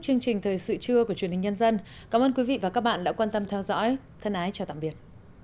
chương trình thời sự trưa của truyền hình nhân dân cảm ơn quý vị và các bạn đã quan tâm theo dõi thân ái chào tạm biệt